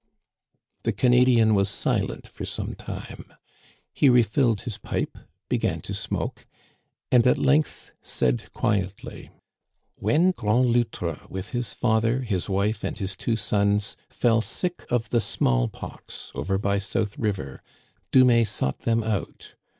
The Canadian was silent for some time. He re filled his pipe, began to smoke, and at length said quietly :" When Grand Loutre, with his father, his wife, and his two sons, fell sick of the small pox over by South River, Dumais sought them out.